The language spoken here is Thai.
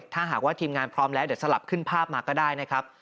ถ้าหากว่าทีมงานพร้อมแล้วเดี๋ยวสลับขึ้นภาพมาก็ได้นะครับ